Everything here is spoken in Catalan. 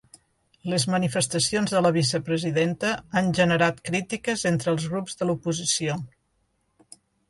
Les manifestacions de la vicepresidenta han generat crítiques entre els grups de l’oposició.